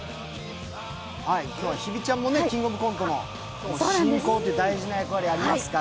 今日は日比ちゃんも「キングオブコント」の進行っていう大事な役がありますから。